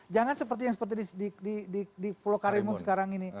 jangan seperti yang seperti di pulau karimun sekarang ini